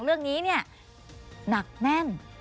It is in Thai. เรื่องนี้เนี่ยหนักแน่น